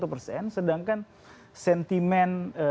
persen sedangkan sentimen